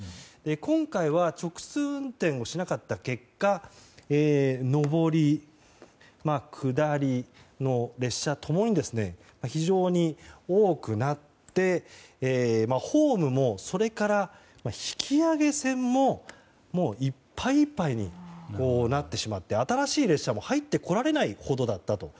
今回は直通運転をしなかった結果上り、下りの列車共に非常に多くなってホームもそれから引き上げ線もいっぱいいっぱいになってしまって新しい列車も入ってこられないほどだったと。